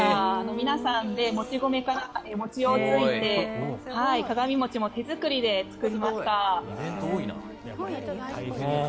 皆さんでもち米から餅をついて鏡餅も手作りで作りました。